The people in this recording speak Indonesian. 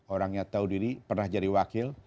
orangnya tahu diri pernah jadi wakil